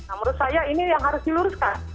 nah menurut saya ini yang harus diluruskan